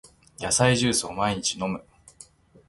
野菜ジュースを毎朝飲む